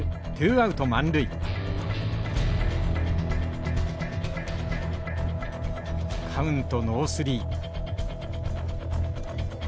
カウントノースリー。